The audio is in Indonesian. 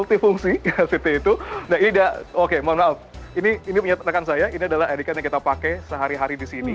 ini adalah id card yang kita pakai sehari hari di sini